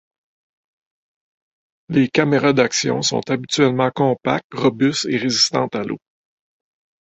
Les caméras d'action sont habituellement compactes, robustes et résistantes à l'eau.